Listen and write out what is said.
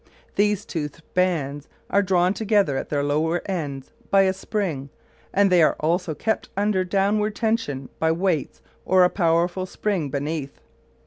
These toothed bands are drawn together at their lower ends by a spring, and they are also kept under downward tension by weights or a powerful spring beneath.